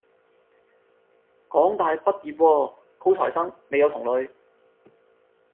港大畢業喎，高材生，你有同類